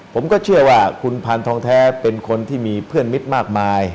ผมก็เชื่อว่าคุณพานทองแท้เป็นคนที่มีเพื่อนมิตรมากมาย